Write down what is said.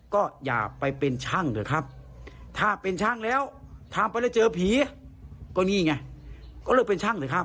ก็อย่าไปเป็นช่างเถอะครับถ้าเป็นช่างแล้วทำไปแล้วเจอผีก็นี่ไงก็เลิกเป็นช่างเลยครับ